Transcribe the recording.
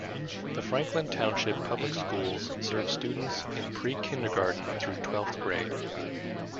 The Franklin Township Public Schools serve students in pre-kindergarten through twelfth grade.